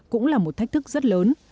cũng là một thách thức rất lớn